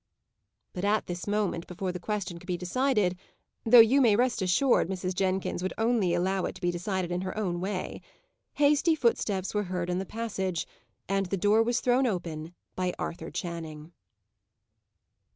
But at this moment, before the question could be decided though you may rest assured Mrs. Jenkins would only allow it to be decided in her own way hasty footsteps were heard in the passage, and the door was thrown open by Arthur Channing.